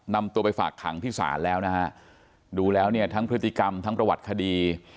นำตัวไปฝากขังที่ศาลแล้วนะฮะดูแล้วเนี่ยทั้งพฤติกรรมทั้งประวัติคดี